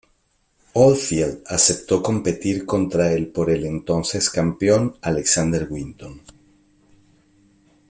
Oldfield aceptó competir contra el por entonces campeón, Alexander Winton.